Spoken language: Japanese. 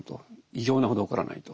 異常なほど起こらないと。